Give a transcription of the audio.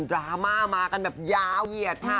ราม่ามากันแบบยาวเหยียดค่ะ